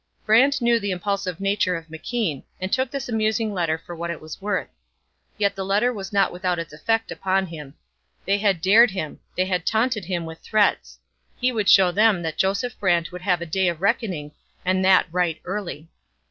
Brant knew the impulsive nature of McKean and took this amusing letter for what it was worth. Yet the letter was not without its effect upon him. They had dared him; they had taunted him with threats; he would show them that Joseph Brant would have a day of reckoning and that right early.